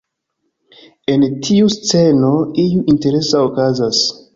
En tiu sceno, iu interesa okazas.